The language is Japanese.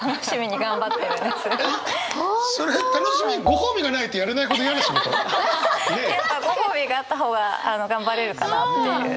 ご褒美があった方が頑張れるかなっていう。